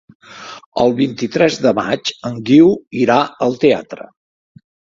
El vint-i-tres de maig en Guiu irà al teatre.